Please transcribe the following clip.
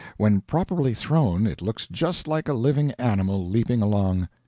. When properly thrown it looks just like a living animal leaping along